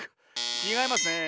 ちがいますねえ。